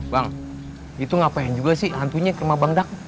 bang itu ngapain juga sih hantunya kemabangdak